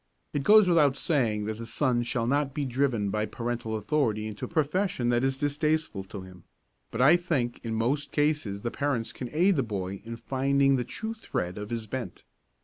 It goes without saying that the son shall not be driven by parental authority into a profession that is distasteful to him; but I think in most cases the parents can aid the boy in finding the true thread of his bent.